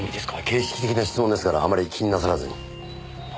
形式的な質問ですからあまり気になさらずに。